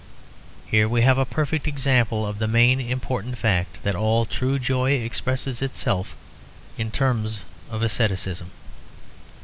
Here we have a perfect example of the main important fact, that all true joy expresses itself in terms of asceticism.